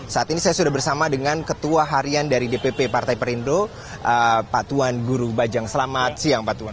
saat ini saya sudah bersama dengan ketua harian dari dpp partai perindo pak tuan guru bajang selamat siang pak tuan